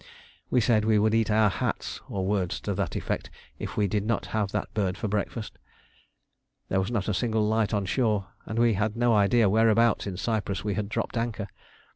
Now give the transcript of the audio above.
We said we would eat our hats, or words to that effect, if we did not have that bird for breakfast. There was not a single light on shore, and we had no idea whereabouts in Cyprus we had dropped anchor.